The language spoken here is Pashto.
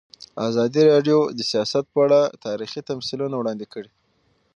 ازادي راډیو د سیاست په اړه تاریخي تمثیلونه وړاندې کړي.